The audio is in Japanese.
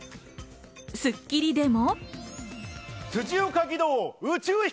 『スッキリ』でも。